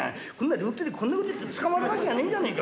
両手でこんなことやって捕まるわけがねえじゃねえか。